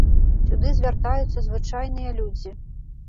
Сюды звяртаюцца звычайныя людзі.